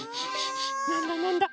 なんだなんだ？